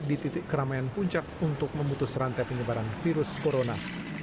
di titik keramaian puncak untuk memutus rantai penyebaran virus corona